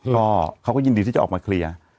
ก็เขาก็ยินดีที่จะออกมาเคลียร์